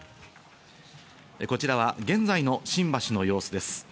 こちらは現在の新橋の様子です。